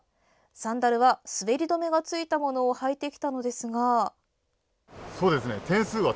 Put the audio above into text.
サンダルは滑り止めがついたものを履いてきたのですが。